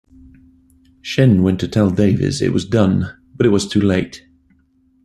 Shinn went to tell Davis it was done, but it was too late.